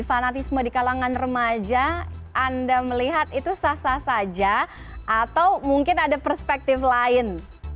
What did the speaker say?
fanatisme di kalangan remaja anda melihat itu sah sah saja atau mungkin ada perspektif lain